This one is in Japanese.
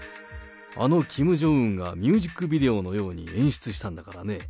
あのキム・ジョンウンが、ミュージックビデオのように演出したんだからね。